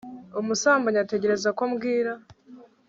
umusambanyi ategereza ko bwira